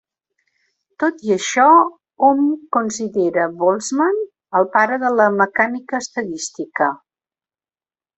Tot i això, hom considera Boltzmann el pare de la mecànica estadística.